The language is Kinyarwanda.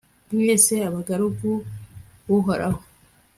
mwese abagaragu b'uhoraho